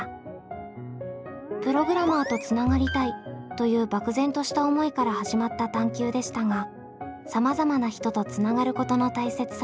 「プログラマーとつながりたい」という漠然とした思いから始まった探究でしたがさまざまな人とつながることの大切さに気付き